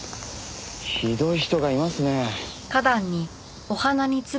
ひどい人がいますね。